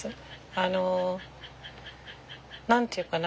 あの何て言うかな